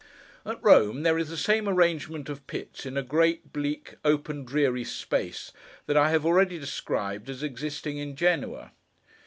At Rome, there is the same arrangement of Pits in a great, bleak, open, dreary space, that I have already described as existing in Genoa.